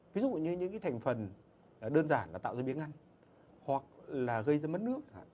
ví dụ như những cái thành phần đơn giản là tạo ra miếng ăn hoặc là gây ra mất nước